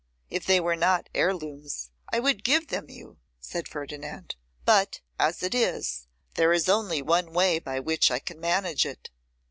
'If they were not heir looms, I would give them you,' said Ferdinand; 'but, as it is, there is only one way by which I can manage it.